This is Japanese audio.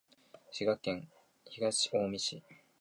滋賀県東近江市